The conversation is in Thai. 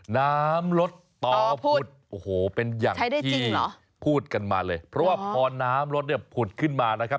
น้ำลดต่อผุดโอ้โหเป็นอย่างที่พูดกันมาเลยเพราะว่าพอน้ำรถเนี่ยผุดขึ้นมานะครับ